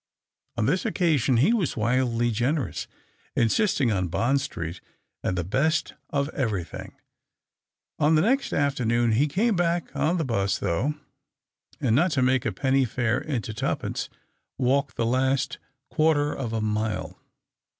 On this occasion he was wildly generous, insisting on Bond Street and the best of everything. On the next afternoon he came back on the 'bus though, and — not to make a penny fare into twopence — walked the last (|uarter of a mile.